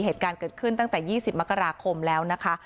เหตุการณ์เกิดขึ้นตั้งแต่๒๐มกราคมแล้วนะคะ